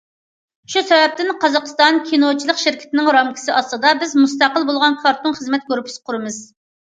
شۇ سەۋەبتىن، قازاقىستان كىنوچىلىق شىركىتىنىڭ رامكىسى ئاستىدا بىز مۇستەقىل بولغان كارتون خىزمەت گۇرۇپپىسى قۇرىمىز.